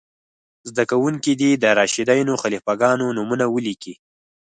زده کوونکي دې د راشدینو خلیفه ګانو نومونه ولیکئ.